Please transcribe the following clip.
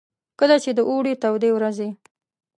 کله چې د اوړې تودې ورځې.